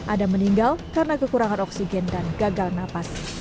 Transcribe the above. adam meninggal karena kekurangan oksigen dan gagal nafas